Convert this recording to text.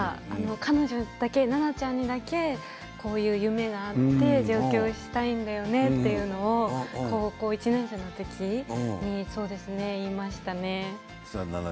彼女に菜々ちゃんだけ夢があって上京したいんだよねっていうのを高校１年生の時に言いましたね。